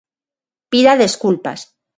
Pida desculpas.